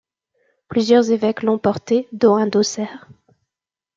Plusieurs évêques l'ont porté dont un d'Auxerre.